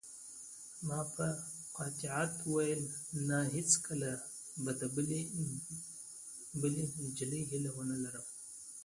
ما په قاطعیت وویل: نه، هیڅکله به د بلې نجلۍ هیله ونه لرم.